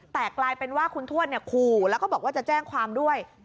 แต่กลายเป็นว่าคุณทวดขู่แล้วก็บอกว่าจะแจ้งความด้วย